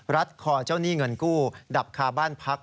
รัดคอเจ้าหนี้เงินกู้ดับคาบ้านพัก